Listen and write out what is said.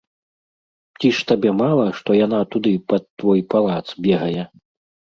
Ці ж табе мала, што яна туды, пад твой палац, бегае?